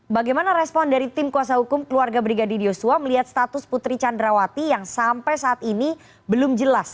bagaimana respon dari tim kuasa hukum keluarga brigadir yosua melihat status putri candrawati yang sampai saat ini belum jelas